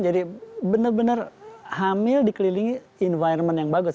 jadi benar benar hamil dikelilingi environment yang bagus ya